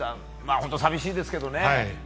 本当、寂しいですけどね。